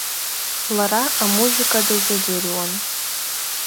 Лара амузыка дазыӡырҩуан.